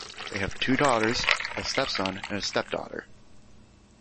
They have two daughters, a stepson and a stepdaughter.